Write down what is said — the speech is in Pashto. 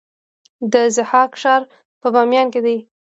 د ضحاک ښار په بامیان کې دی